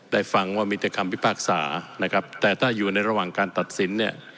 ฟังว่ามีแต่คำพิพากษานะครับแต่ถ้าอยู่ในระหว่างการตัดสินเนี่ย